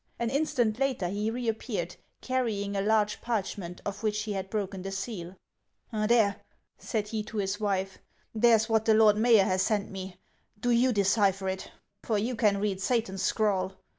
An instant later he reappeared, carrying a large parch ment, of which he had broken the seal. " There," said he to his wife, " there 's what the lord mayor has sent me. Do you decipher it ; for you can read Satan's scrawl.